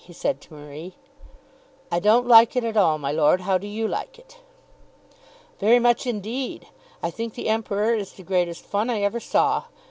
he said to Marie. "I don't like it at all, my lord. How do you like it?" "Very much, indeed. I think the Emperor is the greatest fun I ever saw.